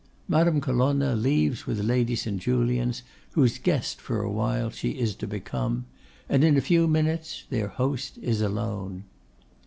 Madame Colonna leaves with Lady St. Julians, whose guest for a while she is to become. And in a few minutes their host is alone.